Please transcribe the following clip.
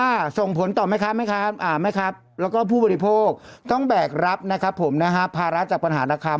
อ๋ออันนี้ยังใหญ่